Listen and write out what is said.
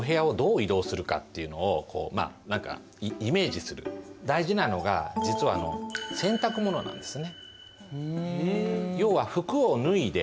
要するに例えば大事なのが実は洗濯物なんですね。